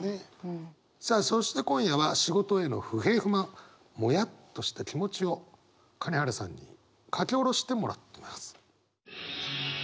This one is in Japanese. さあそして今夜は仕事への不平不満モヤッとした気持ちを金原さんに書き下ろしてもらってます。